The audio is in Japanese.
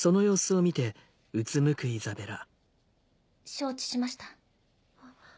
承知しました。